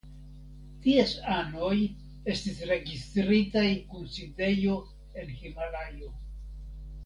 Ties anoj estis registritaj kun sidejo en Himalajo.